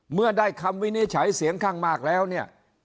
เมื่อได้คำวินิจฉัยเสียงข้างมากแล้วเนี่ย